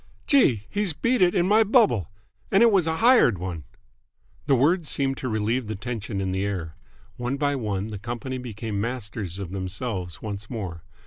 "Gee! He's beat it in my bubble! And it was a hired one!" The words seemed to relieve the tension in the air. One by one the company became masters of themselves once more.